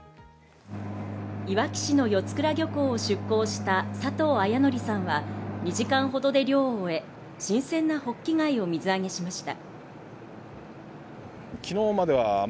いわき市の四倉漁港を出港した佐藤文紀さんは２時間ほどで漁を終え、新鮮なホッキ貝を水揚げしました。